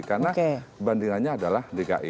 karena bandingannya adalah